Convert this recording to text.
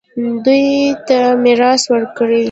دوی ته میراث ورکړئ